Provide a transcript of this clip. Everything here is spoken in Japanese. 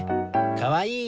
かわいい！